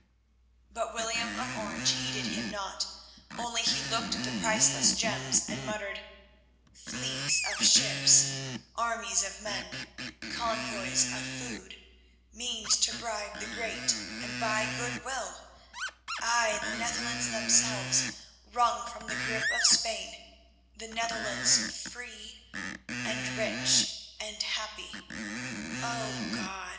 But William of Orange heeded him not, only he looked at the priceless gems and muttered, "Fleets of ships, armies of men, convoys of food, means to bribe the great and buy goodwill—aye, and the Netherlands themselves wrung from the grip of Spain, the Netherlands free and rich and happy! O God!